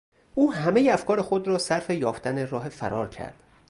او همهی افکار خود را صرف یافتن راه فرار کرد.